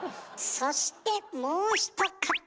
そしてもう一方。